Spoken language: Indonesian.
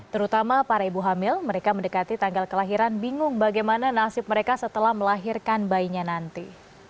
terutama para ibu hamil mereka mendekati tanggal kelahiran bingung bagaimana nasib mereka setelah melahirkan bayinya nanti